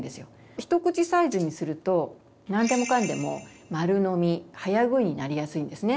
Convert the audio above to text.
ひとくちサイズにすると何でもかんでも丸飲み早食いになりやすいんですね。